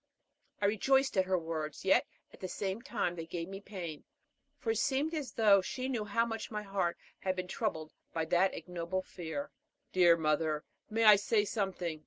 I rejoiced at her words, yet, at the same time, they gave me pain; for it seemed as though she knew how much my heart had been troubled by that ignoble fear. "Dear mother, may I say something?"